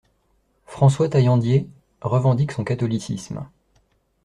François Taillandier revendique son catholicisme.